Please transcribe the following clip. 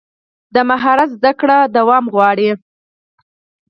د مهارت زده کړه دوام غواړي.